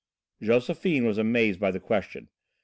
Josephine was amazed by the question.